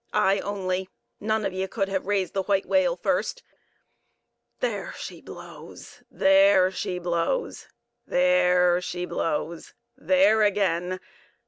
I only; none of ye could have raised the white whale first. There she blows! there she blows!—there she blows! There again!